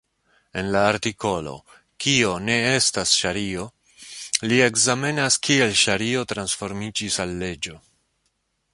En la artikolo "Kio ne estas ŝario" li ekzamenas kiel ŝario transformiĝis al leĝo.